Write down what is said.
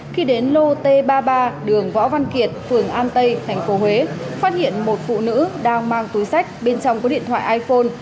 khi đến lô t ba mươi ba đường võ văn kiệt phường an tây tp huế phát hiện một phụ nữ đang mang túi sách bên trong có điện thoại iphone